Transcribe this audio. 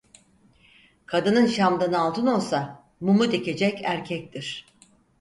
Kadının şamdanı altın olsa mumu dikecek erkektir.